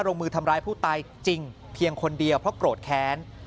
ลงมือทำร้ายผู้ตายจริงเพียงคนเดียวเพราะโกรธแค้น